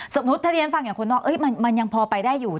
สมมุติถ้าที่ฉันฟังอย่างคนนอกมันยังพอไปได้อยู่